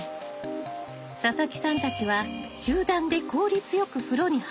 佐々木さんたちは集団で効率よく風呂に入る方法を工夫しました。